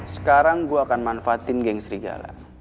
sekarang gue akan manfaatin geng serigala